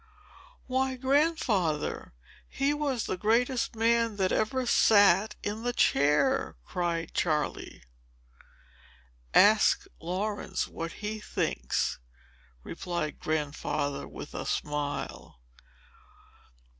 "Why, grandfather, he was the greatest man that ever sat in the chair!" cried Charley. "Ask Laurence what he thinks," replied Grandfather with a smile.